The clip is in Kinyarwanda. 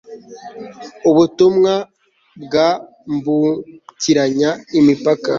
ubutumwa bwambukiranya imipaka